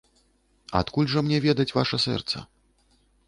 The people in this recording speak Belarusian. Адкуль жа мне ведаць ваша сэрца?